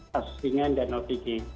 kasus ringan dan otg